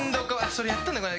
それやったんだ